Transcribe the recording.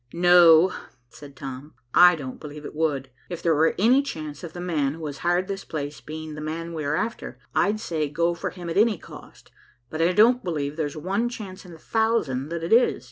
"No," said Tom, "I don't believe it would. If there were any chance of the man who has hired this place being the man we are after, I'd say go for him at any cost, but I don't believe there's one chance in a thousand that it is.